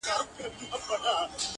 • شپه د پرخي په قدم تر غېږي راغلې,